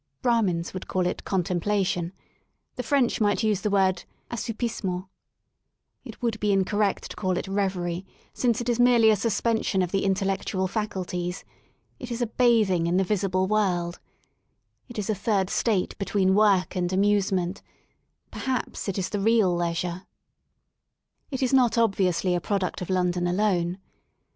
Brahmins would call it contemplation j the French might use the word, ossoupissemenL It would be incorrect to call it reverie since it is merely a suspension of the intellectual faculties ; it is a bathing in the visible world: it is a third state between work and amusement — perhaps it is the real Leisure* It is not obviously a product of London alone.